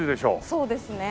そうですね。